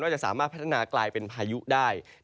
จะสามารถพัฒนากลายเป็นพายุได้